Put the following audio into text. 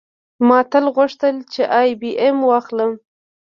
ما تل غوښتل چې آی بي ایم واخلم